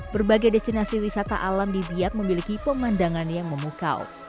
berbagai destinasi wisata alam di biak memiliki pemandangan yang memukau